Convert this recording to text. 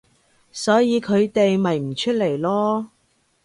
所以佢哋咪唔出嚟囉